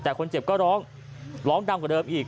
แต่คนเจ็บก็ร้องร้องดังกว่าเดิมอีก